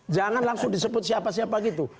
jangan langsung disebut siapa siapa gitu